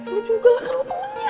gue juga lah kan lo temennya